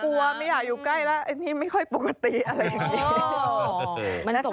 ไม่อยากอยู่ใกล้แล้วอันนี้ไม่ค่อยปกติอะไรอย่างนี้